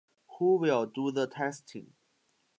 Who will do the testing?